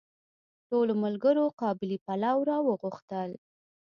ټولو ملګرو قابلي پلو راوغوښتل.